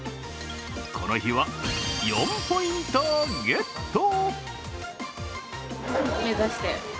この日は、４ポイントをゲット！